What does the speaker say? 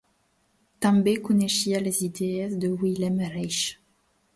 També coneixia les idees de Wilhelm Reich.